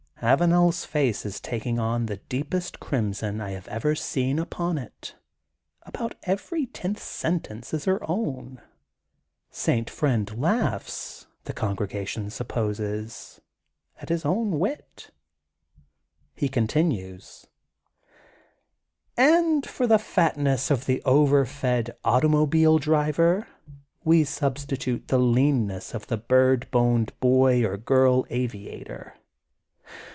'' Avanel 's face is taking on the deepest crim son I have ever seen upon it. About every tenth sentence is her own. St. Friend laughs, the congregation supposes, at his own wit. He continues: — And for the fatness of the overfed auto mobile driver we substitute the leanness of the bird boned boy or girl aviator.